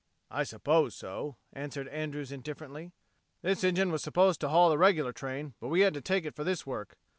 "I suppose so," answered Andrews indifferently. "This engine was supposed to haul the regular train, but we had to take it for this work.